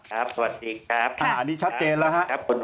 สวัสดีครับอันนี้ชัดเจนแล้วครับ